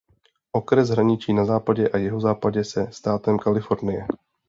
Okres hraničí na západě a jihozápadě se státem Kalifornie.